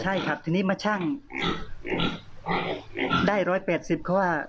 ใช่ครับทีนี้มาชั่งได้๑๘๐กิโลกรัม